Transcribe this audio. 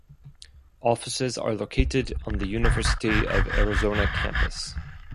Offices are located on the University of Arizona campus.